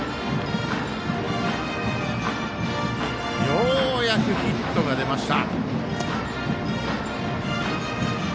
ようやくヒットが出ました。